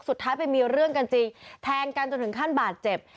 สุดท้ายไปมีเรื่องกันจริงแทงกันจนถึงขั้นบาดเจ็บ